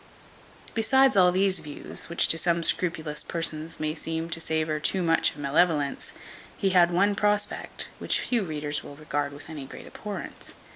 Besides all these views, which to some scrupulous persons may seem to savour too much of malevolence, he had one prospect, which few readers will regard with any great abhorrence.